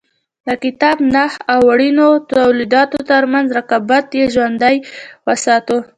د کتان- نخ او وړینو تولیداتو ترمنځ رقابت یې ژوندی وساته.